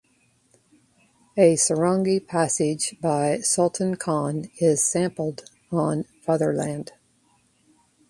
A sarangi passage by Sultan Khan is sampled on "Fartherland".